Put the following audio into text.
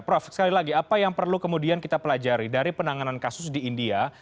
prof sekali lagi apa yang perlu kemudian kita pelajari dari penanganan kasus di india